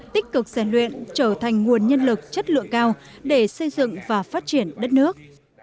tích cực giàn luyện trở thành nguồn nhân lực chất lượng cao để xây dựng và phát triển đất nước